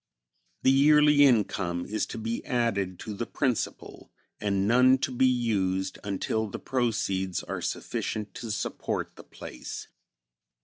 The yearly income is to be added to the principal, and none to be used until the proceeds are sufficient to support the place.